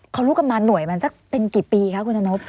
เขารู้กันมาหน่วยมันสักเป็นกี่ปีคะคุณธนพ